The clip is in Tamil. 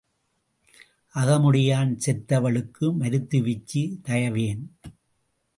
அகமுடையான் செத்தவளுக்கு மருத்துவச்சி தயவு ஏன்?